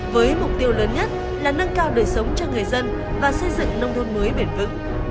với mục tiêu lớn nhất là nâng cao đời sống cho người dân và xây dựng nông thôn mới bền vững